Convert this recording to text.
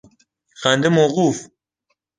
خنده موقوف!